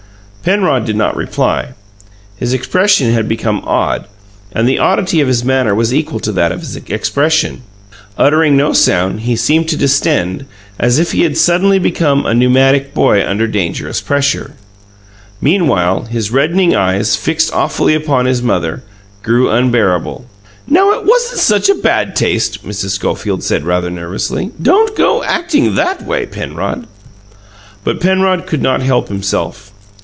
Penrod did not reply. His expression had become odd, and the oddity of his manner was equal to that of his expression. Uttering no sound, he seemed to distend, as if he had suddenly become a pneumatic boy under dangerous pressure. Meanwhile, his reddening eyes, fixed awfully upon his mother, grew unbearable. "Now, it wasn't such a bad taste," Mrs. Schofield said rather nervously. "Don't go acting THAT way, Penrod!" But Penrod could not help himself.